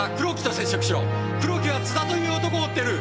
黒木は津田という男を追っている。